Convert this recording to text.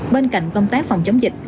bên cạnh công tác phòng chống dịch